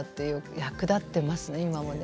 役立っていますね、今も。